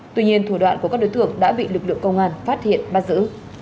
tuy nhiên thủ đoạn của các đối tượng đã bị lực lượng công an phát hiện bắt giữ